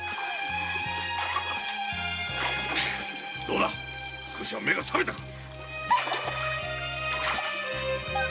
どうだ少しは目が覚めたか。